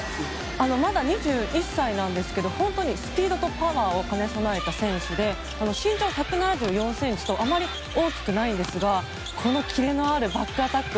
まだ２１歳なんですけど本当にスピードとパワーを兼ね備えた選手で身長１７４ｃｍとあまり大きくないんですがこのキレのあるバックアタック。